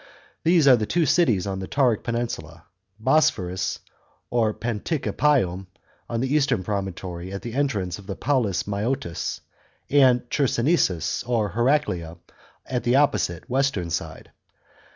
These are two cities of the Tauric peninsula ; Bosporus or Panticapseum, on the eastern promontory at the entrance to the Palus Mseotis, and Chersonesus or Heraclea at the opposite, western side.